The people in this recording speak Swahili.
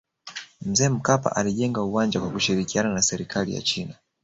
mzee mkapa alijenga uwanja kwa kushirikiana na serikali ya china